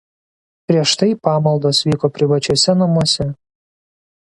Prieš tai pamaldos vyko privačiuose namuose.